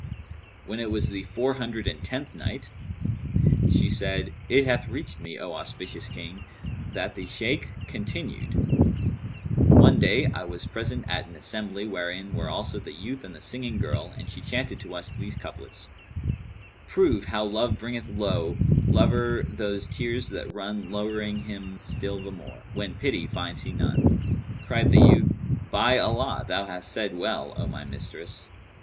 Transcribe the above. When it was the Four Hundred and Tenth Night, She said, It hath reached me, O auspicious King, that the Shaykh continued: 'One day, I was present at an assembly wherein were also the youth and the singing girl and she chanted to us these couplets, 'Prove how Love bringeth low * Lover those tears that run Lowering him still the more * When pity finds he none.' Cried the youth, 'By Allah, thou hast said well, O my mistress.'